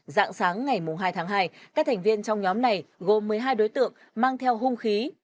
dạng sáng ngày hai tháng hai các thành viên trong nhóm này gồm một mươi hai đối tượng mang theo hung khí